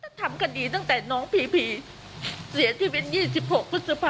ถ้าทำคดีตั้งแต่น้องพีเสียชีวิตเป็น๒๖พศภ